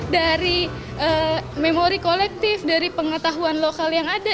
dari memori kolektif dari pengetahuan lokal yang ada